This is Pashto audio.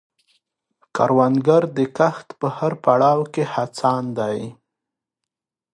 کروندګر د کښت په هر پړاو کې هڅاند دی